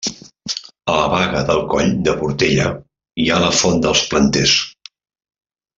A la Baga del Coll de Portella hi ha la Font dels Planters.